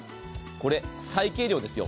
これ、最軽量ですよ。